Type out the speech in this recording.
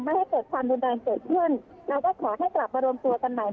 ให้เกิดความรุนแรงเกิดขึ้นเราก็ขอให้กลับมารวมตัวกันใหม่